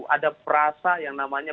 ada perasa yang namanya